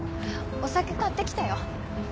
お酒買ってきたよ。